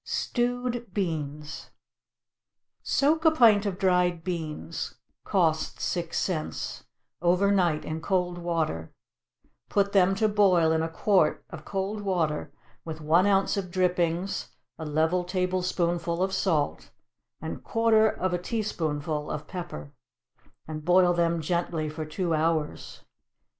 =Stewed Beans.= Soak a pint of dried beans, (cost six cents,) over night in cold water; put them to boil in a quart of cold water with one ounce of drippings, a level tablespoonful of salt, and quarter of a teaspoonful of pepper, and boil them gently for two hours.